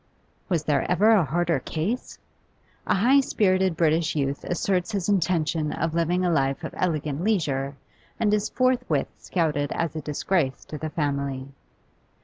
Was there ever a harder case? A high spirited British youth asserts his intention of living a life of elegant leisure, and is forthwith scouted as a disgrace to the family.